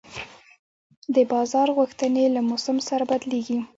د بازار غوښتنې له موسم سره بدلېږي.